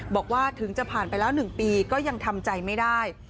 บอกว่าถึงจะผ่านไปแล้ว๑ปีก็ยังทำใจไม่ได้